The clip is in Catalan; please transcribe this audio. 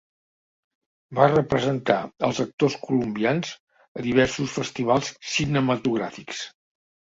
Va representar als actors colombians a diversos festivals cinematogràfics.